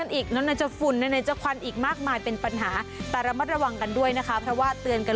กันอีกแล้วมันจะฝุ่นและในจะควันอีกมากมายเป็นปัญหาตราบร่วมระวังกันด้วยนะคะเพราะว่าเตือนกัน